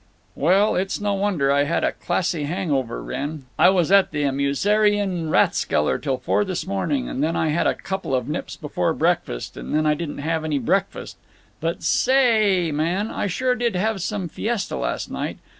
"Well, it's no wonder I had a classy hang over, Wrenn. I was at the Amusieren Rathskeller till four this morning, and then I had a couple of nips before breakfast, and then I didn't have any breakfast. But sa a a ay, man, I sure did have some fiesta last night.